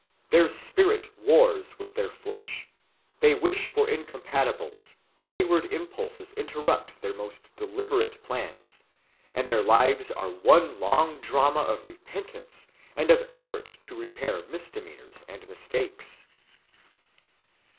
Their spirit wars with their flesh, they wish for incompatibles, wayward impulses interrupt their most deliberate plans, and their lives are one long drama of repentance and of effort to repair misdemeanors and mistakes.